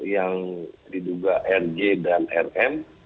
yang diduga rg dan rm